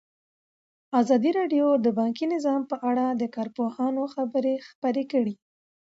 ازادي راډیو د بانکي نظام په اړه د کارپوهانو خبرې خپرې کړي.